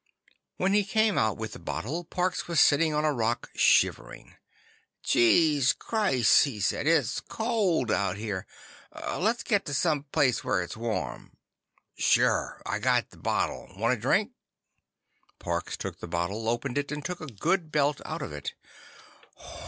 When he came out with the bottle, Parks was sitting on a rock, shivering. "Jeez krise!" he said. "It's cold out here. Let's get to someplace where it's warm." "Sure. I got the bottle. Want a drink?" Parks took the bottle, opened it, and took a good belt out of it.